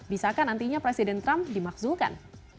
bisakah nantinya presiden trump dimakzulkan